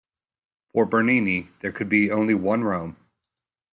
For Bernini there could be only one Rome.